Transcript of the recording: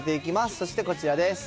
そしてこちらです。